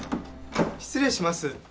失礼します。